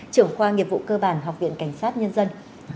trưởng khoa nghiệp vụ cơ bản học viện cảnh sát nhân dân